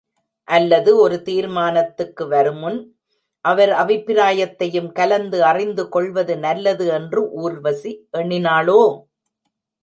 அல்லது, ஒரு தீர்மானத்துக்கு வருமுன் அவர் அபிப்பிராயத்தையும் கலந்து அறிந்துகொள்வது நல்லது என்று ஊர்வசி எண்ணினாளோ?